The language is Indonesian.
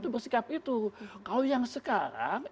bersikap itu kalau yang sekarang